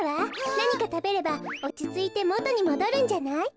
なにかたべればおちついてもとにもどるんじゃない？